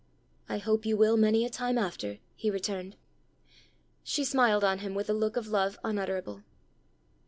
"I hope you will many a time after!" he returned. She smiled on him with a look of love unutterable.